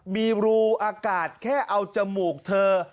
มีรูอากาศแค่เอาจมูกเธอ